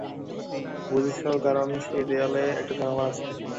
বুঝেছো, কারণ সেই দেয়ালে একটা জানালা আছে।